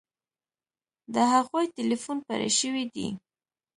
د هغوی ټیلیفون پرې شوی دی